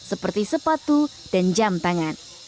seperti sepatu dan jam tangan